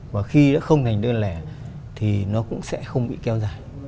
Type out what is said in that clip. và khi nó không thành đơn lẻ thì nó cũng sẽ không bị kéo dài